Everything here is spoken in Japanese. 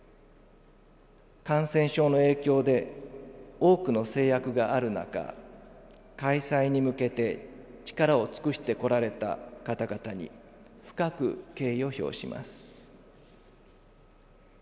感染症の影響で多くの制約がある中開催に向けて力を尽くしてこられた方々に深く敬意を表します。